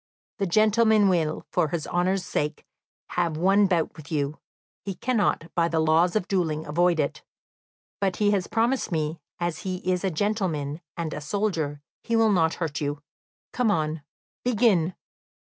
"The gentleman will, for his honour's sake, have one bout with you; he cannot, by the laws of duelling, avoid it; but he has promised me, as he is a gentleman and a soldier, he will not hurt you. Come on; begin!"